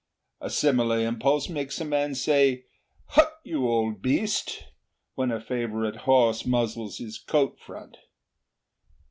A similar impulse makes a man say, 'Hutt, you old beast!' when a favourite horse nuzzles his coat front.